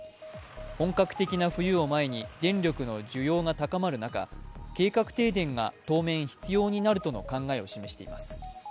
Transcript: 本格的な冬を前に電力の需要が高まる中、計画停電が当面必要になるとの考えを示しています。